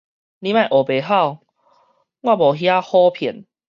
你莫烏白唬，我無遐好騙